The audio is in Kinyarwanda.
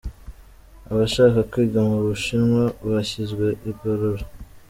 Abashaka kwiga mu Bushinwa bashyizwe igorora.